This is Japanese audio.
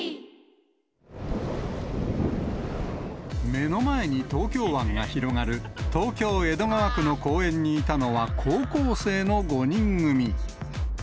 目の前に東京湾が広がる東京・江戸川区の公園にいたのは、高校生の５人組。